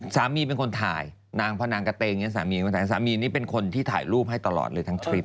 สามีเป็นคนถ่ายนางเหล้านางก็เตงอย่างนี้สามีนี่เป็นคนที่ถ่ายรูปให้ตลอดเลยทั้งทลิป